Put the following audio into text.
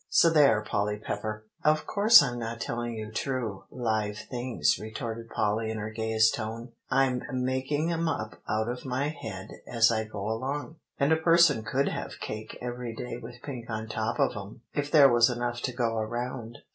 So there, Polly Pepper!" "Of course I'm not telling you true, live things," retorted Polly in her gayest tone; "I'm making 'em up out of my head as I go along. And a person could have cake every day with pink on top of 'em, if there was enough to go around."